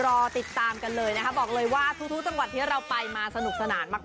รอติดตามกันเลยนะคะบอกเลยว่าทุกจังหวัดที่เราไปมาสนุกสนานมาก